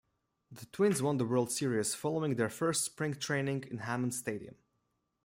The Twins won the World Series following their first Spring Training in Hammond Stadium.